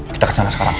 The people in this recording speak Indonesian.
kita ke sana sekarang